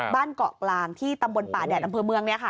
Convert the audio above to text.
บ้านเกาะกลางที่ตำบลป่าแดดดำเภอเมืองเนี่ยค่ะ